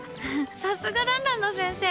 さすが、ランランド先生！